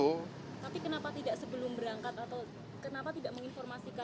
tapi kenapa tidak sebelum berangkat atau kenapa tidak menginformasikan